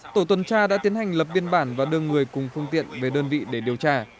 tổ tuần tra đã tiến hành lập biên bản và đưa người cùng phương tiện về đơn vị để điều tra